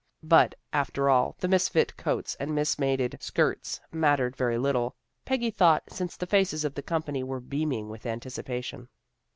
But, after all, the misfit coats and mismated skirts mattered very little, Peggy thought, since the faces of the company were beaming with anticipation.